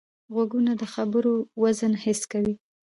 غوږونه د خبرو وزن حس کوي